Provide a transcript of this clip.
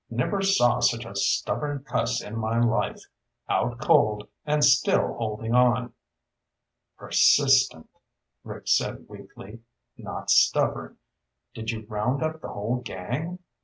Never saw such a stubborn cuss in my life. Out cold, and still holding on." "Persistent," Rick said weakly. "Not stubborn. Did you round up the whole gang?"